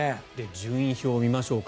順位表を見ましょうか。